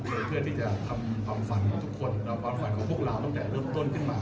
เพื่อที่จะทำความฝันของทุกคนความฝันของพวกเราตั้งแต่เริ่มต้นขึ้นมา